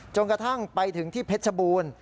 กระทั่งไปถึงที่เพชรบูรณ์